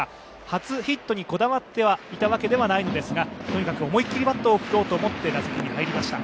初ヒットにこだわっていたわけではないのですが、とにかく思い切りバットを振ろうと思って打席に入りました。